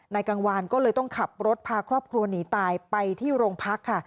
กังวานก็เลยต้องขับรถพาครอบครัวหนีตายไปที่โรงพักค่ะ